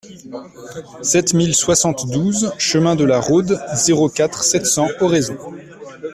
sept mille soixante-douze chemin de la Rhôde, zéro quatre, sept cents, Oraison